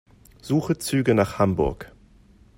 Suche Züge nach Hamburg.